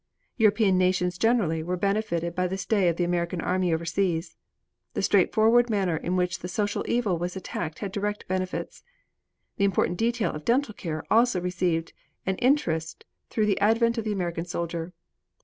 European nations generally were benefited by the stay of the American army overseas. The straightforward manner in which the social evil was attacked had direct benefits. The important detail of dental care also received an interest through the advent of the American soldier.